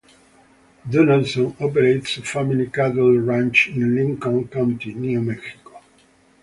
Donaldson operates a family cattle ranch in Lincoln County, New Mexico.